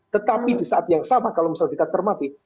tetapi di saat yang sama kalau misalnya kita cermati